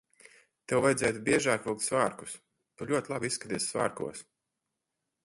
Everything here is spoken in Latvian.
Tev vajadzētu biežāk vilkt svārkus. Tu ļoti labi izskaties svārkos.